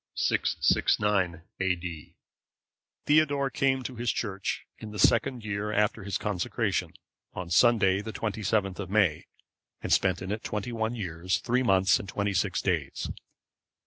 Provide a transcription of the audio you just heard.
[669 A.D.] Theodore came to his Church in the second year after his consecration, on Sunday, the 27th of May, and spent in it twenty one years, three months, and twenty six days.